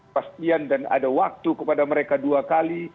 pastian dan ada waktu kepada mereka dua kali